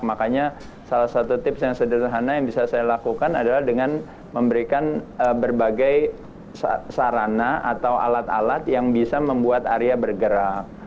makanya salah satu tips yang sederhana yang bisa saya lakukan adalah dengan memberikan berbagai sarana atau alat alat yang bisa membuat arya bergerak